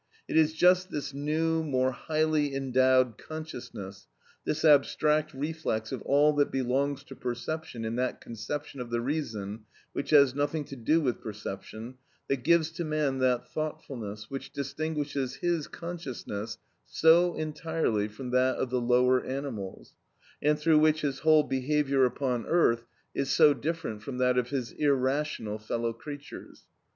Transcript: It is just this new, more highly endowed, consciousness, this abstract reflex of all that belongs to perception in that conception of the reason which has nothing to do with perception, that gives to man that thoughtfulness which distinguishes his consciousness so entirely from that of the lower animals, and through which his whole behaviour upon earth is so different from that of his irrational fellow creatures.